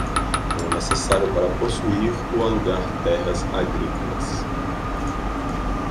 Não é necessário para possuir ou alugar terras agrícolas